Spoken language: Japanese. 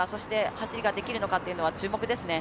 走りができるのかというのは注目ですね。